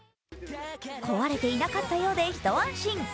壊れていなかったようで一安心。